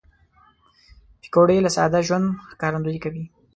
پکورې له ساده ژوند ښکارندويي کوي